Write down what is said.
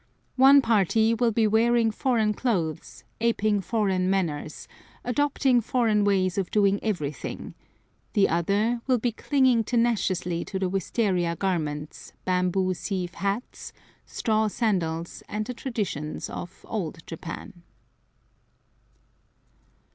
One party will be wearing foreign clothes, aping foreign manners, adopting foreign ways of doing everything; the other will be clinging tenaciously to the wistaria garments, bamboo sieve hats, straw sandals, and the traditions of "Old Japan."